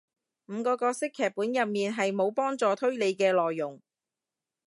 五個角色劇本入面係無幫助推理嘅內容